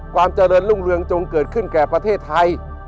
ความเจริญรุ่งเรืองจงเกิดขึ้นแก่ประเทศไทย